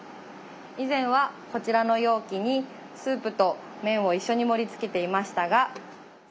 以前はこちらの容器にスープと麺を一緒に盛りつけていましたが。